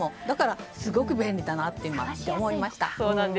だからすごく便利だと思いました。